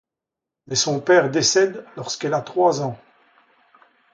Mais son père décède lorsqu'elle a trois ans.